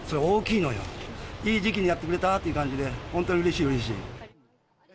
いい時期にやってくれたなという感じで、本当、うれしい、うれしい。